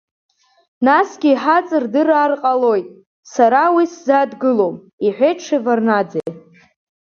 Насгьы иҳаҵырдыраар ҟалоит, сара уи сзадгылом, — иҳәеит Шьеварднаӡе.